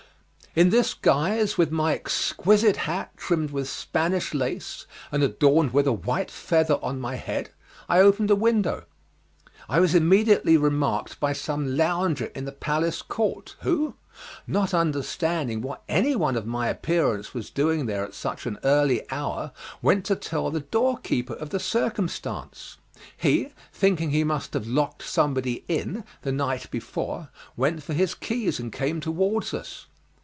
In this guise, with my exquisite hat trimmed with Spanish lace and adorned with a white feather on my head, I opened a window. I was immediately remarked by some lounger in the palace court, who, not understanding what anyone of my appearance was doing there at such an early hour, went to tell the door keeper of the circumstance. He, thinking he must have locked somebody in the night before, went for his keys and came towards us.